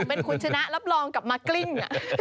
เป็นคุณชนะรับรองกับมากลิ้ง